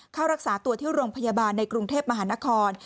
เข้ารักษาตัวที่โรงพยาบาลในกรุงเทพมหานคร